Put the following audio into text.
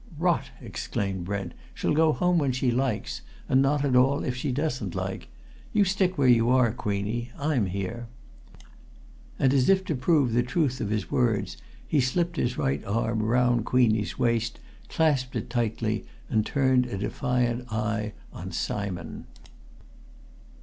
"Rot!" exclaimed Brent. "She'll go home when she likes and not at all, if she doesn't like! You stick where you are, Queenie! I'm here." And as if to prove the truth of his words he slipped his right arm round Queenie's waist, clasped it tightly, and turned a defiant eye on Simon.